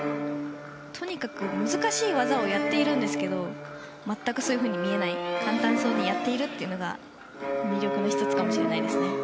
とにかく難しい技をやっているんですが全くそういうふうに見えない簡単そうにやっているというのが魅力の１つかもしれないですね。